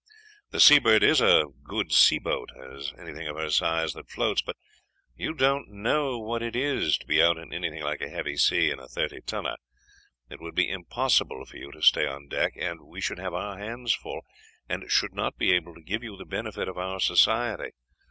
The Seabird is as good a seaboat as anything of her size that floats; but you don't know what it is to be out in anything like a heavy sea in a thirty tonner. It would be impossible for you to stay on deck, and we should have our hands full, and should not be able to give you the benefit of our society.